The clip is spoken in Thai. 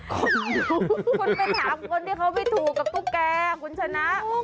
คุณไปถามคนที่เขาไม่ถูกกับตุ๊กแกคุณชนะ